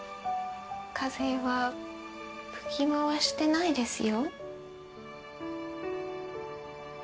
風はふきまわしてないですよ